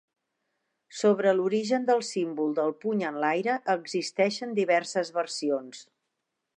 Sobre l'origen del símbol del puny enlaire existeixen diverses versions.